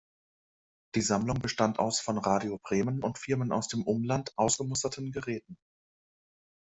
Die Sammlung bestand aus von Radio Bremen und Firmen aus dem Umland ausgemusterten Geräten.